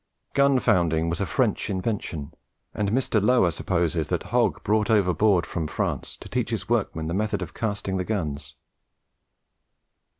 Gun founding was a French invention, and Mr. Lower supposes that Hogge brought over Baude from France to teach his workmen the method of casting the guns.